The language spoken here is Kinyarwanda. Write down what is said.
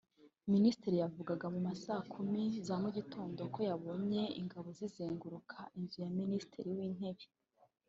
Minisitiri yavugaga mu ma saa kumi za mu gitondo ko yabonye ingabo zizenguruka inzu ya Minisitiri w’Intebe